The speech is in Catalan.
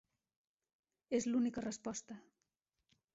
És l'única resposta.